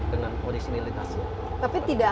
dengan originalitasnya tapi tidak